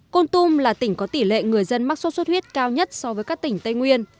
con tum là tỉnh có tỷ lệ người dân mắc sốt xuất huyết cao nhất so với các tỉnh tây nguyên